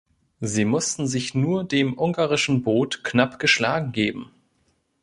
Sie mussten sich nur dem ungarischen Boot knapp geschlagen geben.